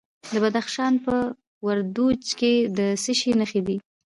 د بدخشان په وردوج کې د څه شي نښې دي؟